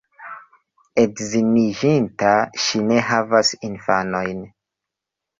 Edziniĝinta, ŝi ne havas infanojn.